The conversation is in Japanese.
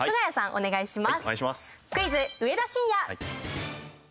お願いします。